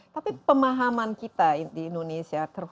tapi pemahaman kita di indonesia